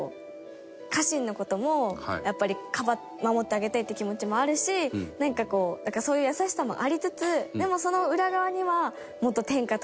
家臣の事もやっぱり守ってあげたいっていう気持ちもあるしなんかこうそういう優しさもありつつでもその。